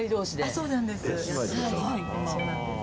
そうなんです。